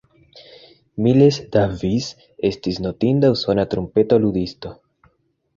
Miles Davis estis notinda usona trumpeto ludisto.